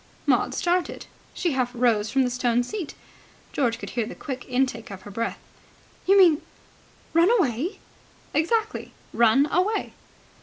Maud started. She half rose from the stone seat. George could hear the quick intake of her breath. "You mean run away?" "Exactly. Run away!"